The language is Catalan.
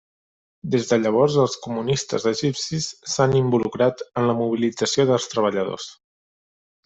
Des de llavors, els comunistes egipcis s'han involucrat en la mobilització dels treballadors.